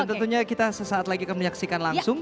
dan tentunya kita sesaat lagi kemenyaksikan langsung